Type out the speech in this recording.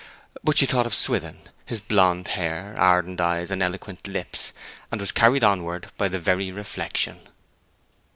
But she thought of Swithin, his blonde hair, ardent eyes, and eloquent lips, and was carried onward by the very reflection.